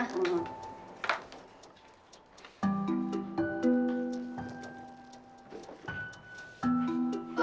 jangan lupa berdoa